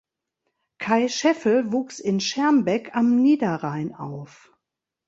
Kay Scheffel wuchs in Schermbeck am Niederrhein auf.